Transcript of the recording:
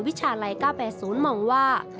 วิชาไลครับ๘๐มองว่า